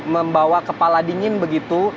membawa kepala dingin begitu